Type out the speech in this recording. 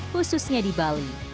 khususnya di bali